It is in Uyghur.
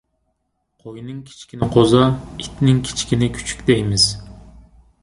قوينىڭ كىچىكىنى قوزا، ئىتنىڭ كىچىكىنى كۈچۈك دەيمىز.